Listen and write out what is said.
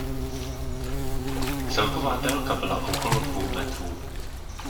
Celková délka byla okolo dvou metrů.